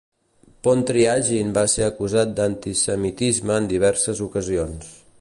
Pontryagin va ser acusat d'antisemitisme en diverses ocasions.